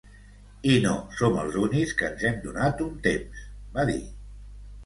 I no som els únics que ens hem donat un temps, va dir.